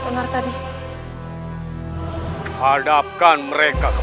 jangan diaksanai keeping fanbase